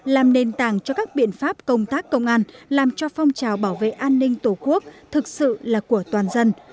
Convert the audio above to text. làm nền tảng cho các biện pháp công tác công an làm cho phong trào bảo vệ an ninh tổ quốc thực sự là của toàn dân